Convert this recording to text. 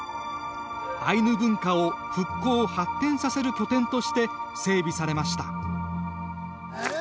アイヌ文化を復興発展させる拠点として整備されました。